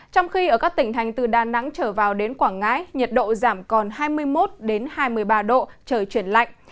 trong khi ở các tỉnh thành từ đà nẵng trở vào đến quảng ngãi nhiệt độ giảm còn hai mươi một hai mươi ba độ trời chuyển lạnh